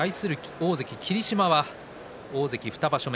大関霧島は大関２場所目。